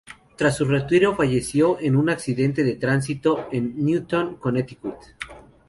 Tras su retiro, falleció en un accidente de tránsito en Newtown, Connecticut.